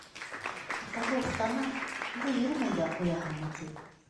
Атаһы уфтана, әллә йөрөмәй ҙә ҡуяһыңмы, ти.